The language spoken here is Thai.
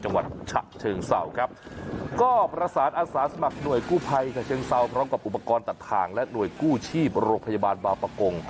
จังหวัดฉะเชิงเศร้าครับก็ประสานอาสาสมัครหน่วยกู้ภัยฉะเชิงเซาพร้อมกับอุปกรณ์ตัดทางและหน่วยกู้ชีพโรงพยาบาลบางประกง